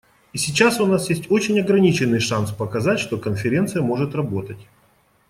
И сейчас у нас есть очень ограниченный шанс показать, что Конференция может работать.